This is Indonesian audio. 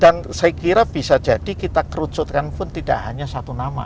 dan saya kira bisa jadi kita kerucutkan pun tidak hanya satu nama